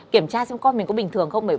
kiểm tra xem con mình có bình thường không